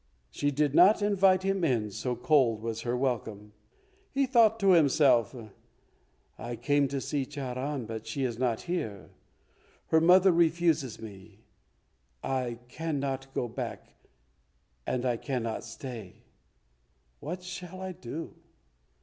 She did not invite him in, so cold was her welcome. He thought to himself, "I came to see Charan, but she is not here. Her mother refuses me; I cannot go back, and I cannot stay. What shall I do?"